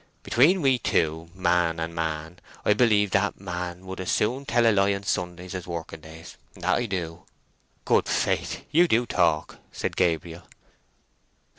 "Between we two, man and man, I believe that man would as soon tell a lie Sundays as working days—that I do so." "Good faith, you do talk!" said Gabriel.